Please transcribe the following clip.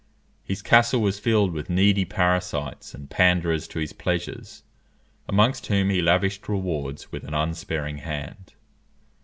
His castle was filled with needy parasites and panderers to his pleasures, amongst whom he lavished rewards with an unsparing hand.